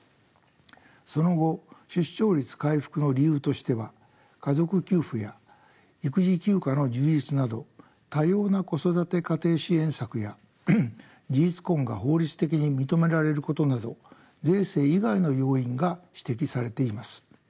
その後出生率回復の理由としては家族給付や育児休暇の充実など多様な子育て家庭支援策や事実婚が法律的に認められることなど税制以外の要因が指摘されています。